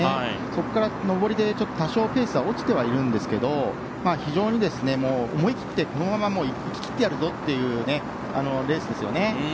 そこから上りで多少ペースは落ちていますが非常に思い切ってこのままいききってやるぞというレースですよね。